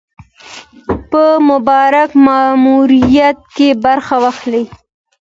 په مبارک ماموریت کې برخه واخلي.